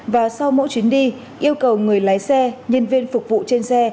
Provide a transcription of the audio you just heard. và sau mỗi chuyến đi yêu cầu người lái xe nhân viên phục vụ trên xe